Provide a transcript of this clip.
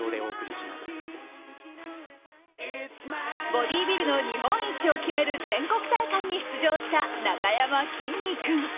ボディービルの日本一を決める全国大会に出場したなかやまきんに君。